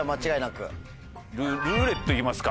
ルーレットいきますか。